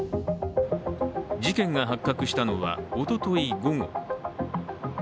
事件が発覚したのはおととい午後。